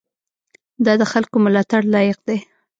دا د خلکو ملاتړ لایق دی.